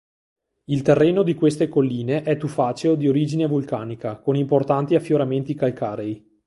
Il terreno di queste colline è tufaceo di origine vulcanica con importanti affioramenti calcarei.